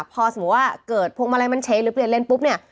พอสมมุติว่าเกิดพวงมาลัยมันเฉยหรือเปลี่ยนเลนปุ๊บเนี่ย